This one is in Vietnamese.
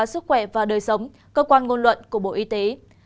sức khỏe và đời sống cơ quan ngôn luận của bộ y tế